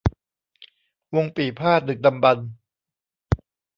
วงปี่พาทย์ดึกดำบรรพ์